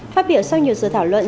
phát biểu sau nhiều giờ thảo luận